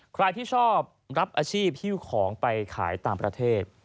ใครที่ชอบรับอาชีพฮิ้วของไปขายต่างประเทศ